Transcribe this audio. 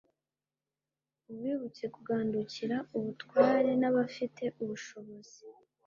Ubibutse kugandukira abatware n’abafite ubushobozi